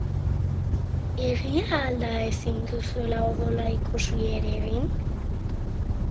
Egia al da ezin duzula odola ikusi ere egin?